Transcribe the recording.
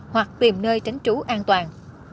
hoặc tìm nơi tránh trú an toàn